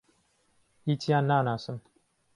هیچیان ناناسم.